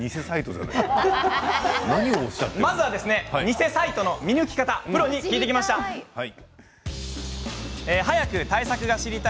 偽サイトの見抜き方これを聞いてきました。